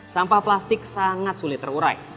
sampah plastik sangat sulit terurai